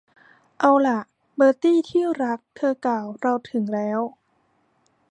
เอาล่ะ เบอร์ตี้ ที่รัก เธอกล่าว เราถึงแล้ว